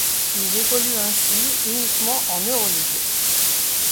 Il évolue ainsi uniquement en Euroligue.